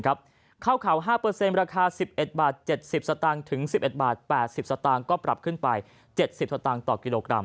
ข้าวเข่า๕ราคา๑๑๗๐สตางค์จนที่๑๑๘สตางค์ปรับที่๗๐สตางค์